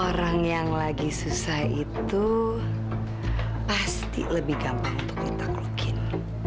orang yang lagi susah itu pasti lebih gampang untuk ditaklukin